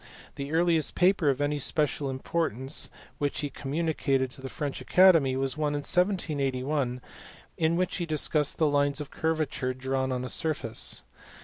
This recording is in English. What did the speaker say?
The earliest paper of any special importance which he communicated to the French Academy was one in 1781 in which he discussed the lines of curvature drawn on a surface.